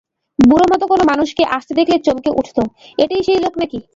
বুড়োমতো কোনো মানুষকে আসতে দেখলেই চমকে উঠত, এটিই সেই লোক নাকি?